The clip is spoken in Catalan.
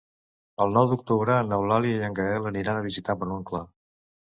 El nou d'octubre n'Eulàlia i en Gaël aniran a visitar mon oncle.